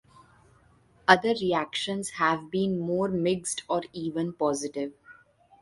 Other reactions have been more mixed or even positive.